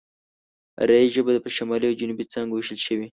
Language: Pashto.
آريايي ژبه په شمالي او جنوبي څانگو وېشل شوې.